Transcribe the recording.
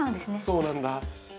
そうなんだ。